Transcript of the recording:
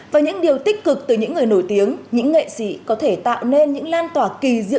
với những điều tích cực từ những người nổi tiếng những nghệ sĩ có thể tạo nên những lan tỏa kỳ diệu